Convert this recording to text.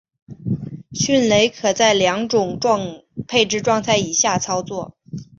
迅雷可在两种配置状态以下操作。